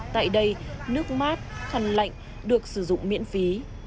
tại đây nước mát khăn lạnh được sử dụng miễn phí